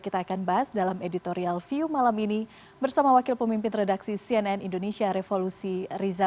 kita akan bahas dalam editorial view malam ini bersama wakil pemimpin redaksi cnn indonesia revolusi riza